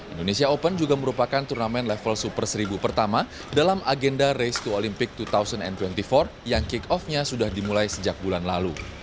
indonesia open juga merupakan turnamen level super seribu pertama dalam agenda race to olympic dua ribu dua puluh empat yang kick off nya sudah dimulai sejak bulan lalu